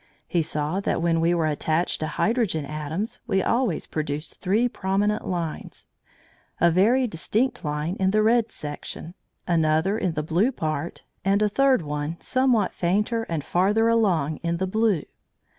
He saw that when we were attached to hydrogen atoms we always produced three prominent lines; a very distinct line in the red section, another in the blue part, and a third one somewhat fainter and farther along in the blue.